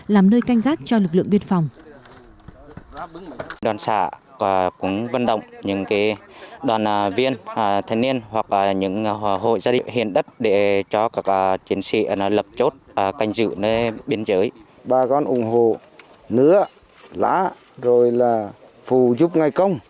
làm nơi canh gác cho lực lượng biên phòng